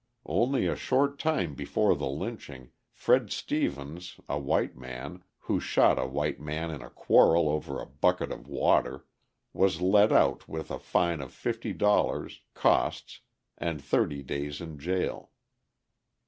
Only a short time before the lynching, Fred Stevens a white man, who shot a white man in a quarrel over a bucket of water, was let out with a fine of $50, costs, and thirty days in jail.